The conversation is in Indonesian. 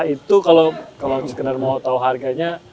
itu kalau mau tau harganya